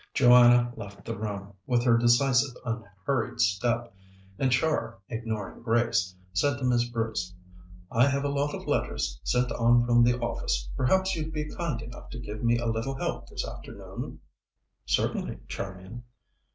Joanna left the room, with her decisive, unhurried step, and Char, ignoring Grace, said to Miss Bruce: "I have a lot of letters, sent on from the office. Perhaps you'd be kind enough to give me a little help this afternoon?" "Certainly, Charmian."